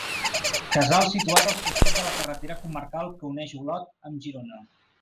Casal situat al costat de la carretera comarcal que uneix Olot amb Girona.